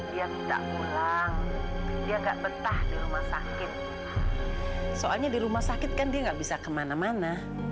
dia minta pulang dia enggak betah di rumah sakit soalnya di rumah sakit kan dia nggak bisa kemana mana